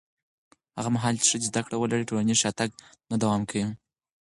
هغه مهال چې ښځې زده کړه ولري، ټولنیز شاتګ نه دوام کوي.